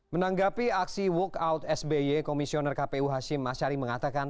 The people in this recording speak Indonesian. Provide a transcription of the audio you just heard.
menanggapi aksi walk out sby komisioner kpu hashim ashari mengatakan